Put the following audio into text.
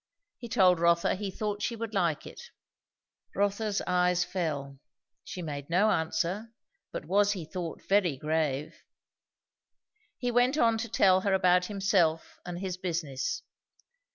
He told Rotha he thought she would like it. Rotha's eyes fell; she made no answer, but was he thought very grave. He went on to tell her about himself and his business.